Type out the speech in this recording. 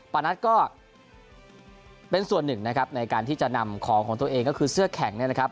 นัทก็เป็นส่วนหนึ่งนะครับในการที่จะนำของของตัวเองก็คือเสื้อแข็งเนี่ยนะครับ